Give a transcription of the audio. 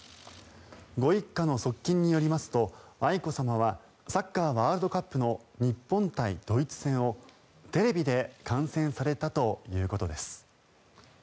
ご一家の側近によりますと愛子さまはサッカーワールドカップの日本対ドイツ戦をテレビで観戦されたということです。